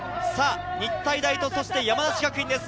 日体大と山梨学院です。